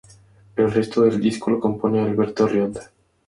El resto del disco lo compone Alberto Rionda.